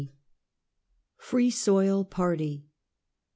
FKEE SOIL PARTY.